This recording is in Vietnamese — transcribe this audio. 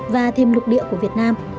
và thêm lục địa của việt nam